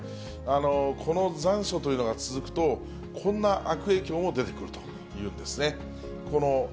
この残暑というのが続くと、こんな悪影響も出てくるというんですね。